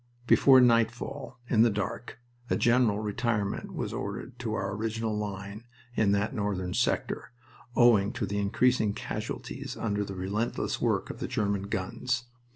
Before nightfall, in the dark, a general retirement was ordered to our original line in that northern sector, owing to the increasing casualties under the relentless work of the German guns.